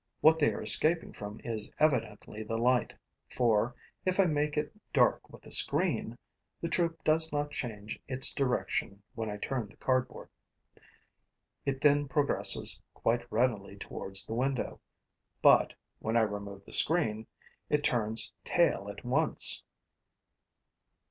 What they are escaping from is evidently the light, for, if I make it dark with a screen, the troop does not change its direction when I turn the cardboard. It then progresses quite readily towards the window; but, when I remove the screen, it turns tail at once.